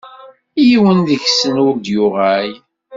Yiwen deg-sen ur d-yuɣal.